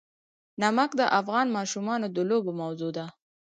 نمک د افغان ماشومانو د لوبو موضوع ده.